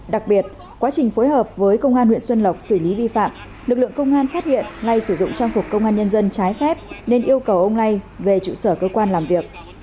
đặc biệt quá trình phối hợp với công an huyện xuân lộc xử lý vi phạm lực lượng công an phát hiện nay sử dụng trang phục công an nhân dân trái phép nên yêu cầu ông lay về trụ sở cơ quan làm việc